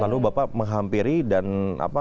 lalu bapak menghampiri dan apa